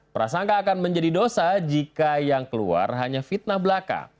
prasangka akan menjadi dosa jika yang keluar hanya fitnah belaka